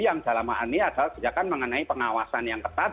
yang dalam hal ini adalah kebijakan mengenai pengawasan yang ketat